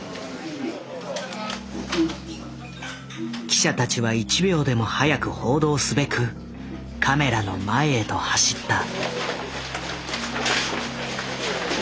記者たちは１秒でも早く報道すべくカメラの前へと走った。